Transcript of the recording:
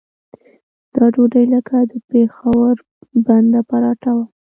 دا ډوډۍ لکه د پېښور بنده پراټه وه.